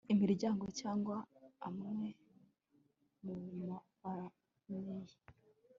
imiryango cyangwa amwe mumafamiye